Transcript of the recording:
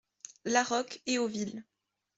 La Roque, Héauville